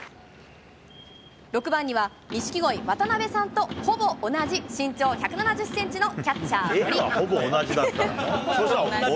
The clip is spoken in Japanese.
６番には錦鯉・渡辺さんとほぼ同じ身長１７０センチのキャッチャー、森。